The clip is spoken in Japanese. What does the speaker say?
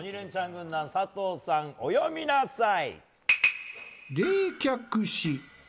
軍団佐藤さん、お詠みなさい！